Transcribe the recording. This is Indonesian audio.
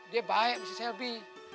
dia baik sama si selby